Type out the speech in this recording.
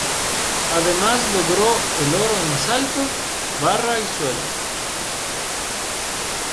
Además, logró el oro en salto, barra y suelo.